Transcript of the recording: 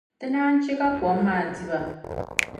Ti naan chɛ ka kɔm maa di ba.